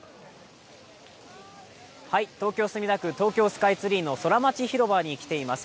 東京・墨田区、東京スカイツリーのソラマチひろばに来ています。